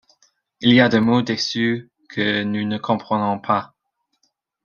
Il y a des mots dessus que nous ne comprenons pas.